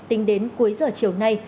tính đến cuối giờ chiều nay